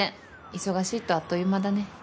忙しいとあっという間だね。